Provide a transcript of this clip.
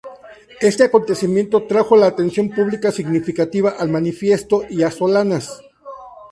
Este acontecimiento trajo la atención pública significativa al Manifiesto y a Solanas.